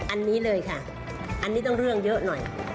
อันนี้เลยค่ะอันนี้ต้องเรื่องเยอะหน่อย